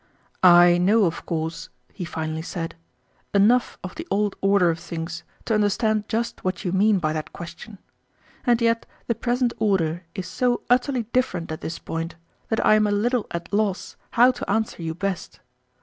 "I know, of course," he finally said, "enough of the old order of things to understand just what you mean by that question; and yet the present order is so utterly different at this point that I am a little at loss how to answer you best.